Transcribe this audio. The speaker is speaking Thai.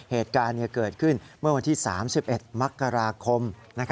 เหตุการณ์เกิดขึ้นเมื่อวันที่๓๑มกราคม